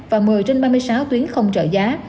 và một mươi trên ba mươi sáu tuyến không trợ giá